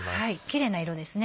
キレイな色ですね。